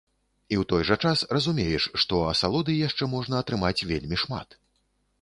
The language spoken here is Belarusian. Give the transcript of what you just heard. І ў той жа час разумееш, што асалоды яшчэ можна атрымаць вельмі шмат.